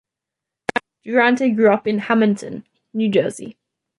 Durante grew up in Hammonton, New Jersey.